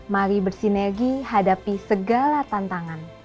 mari bersinergi hadapi segala tantangan